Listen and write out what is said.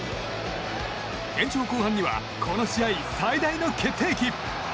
延長後半にはこの試合最大の決定機。